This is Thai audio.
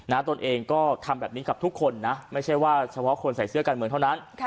ตนเองก็ทำแบบนี้กับทุกคนนะไม่ใช่ว่าเฉพาะคนใส่เสื้อการเมืองเท่านั้น